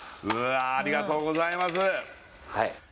はい